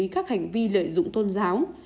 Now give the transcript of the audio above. các hành vi lợi dụng tôn giáo